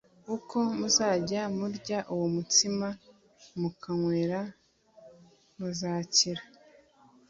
uko muzajya murya uwo mutsima mukanywera muzakira